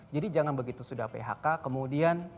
jadi jangan begitu sudah phk kemudian